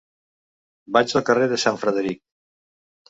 Vaig al carrer de Sant Frederic.